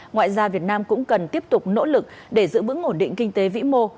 ngoài ra việt nam cũng cần tiếp tục nỗ lực để giữ vững ổn định kinh tế vĩ mô